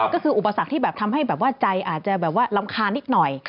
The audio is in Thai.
ก็คืออุปสรรคที่แบบทำให้แบบว่าใจอาจจะแบบว่ารำคาญนิดหน่อย